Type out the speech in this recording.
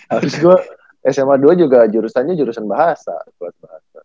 harus gue sma dua juga jurusannya jurusan bahasa buat bahasa